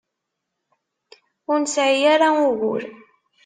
Ur nesɛi ara ugur.